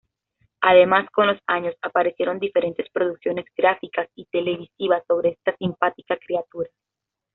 Además, con los años, aparecieron diferentes producciones gráficas y televisivas sobre esta simpática criatura.